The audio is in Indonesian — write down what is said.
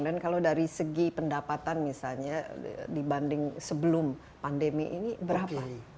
dan kalau dari segi pendapatan misalnya dibanding sebelum pandemi ini berapa